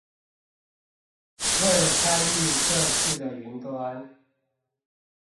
為了參與這次的雲端